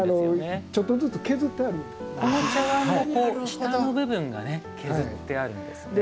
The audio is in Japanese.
下の部分がね削ってあるんですね。